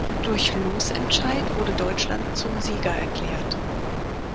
Durch Losentscheid wurde Deutschland zum Sieger erklärt.